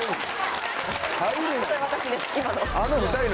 これ私です今の。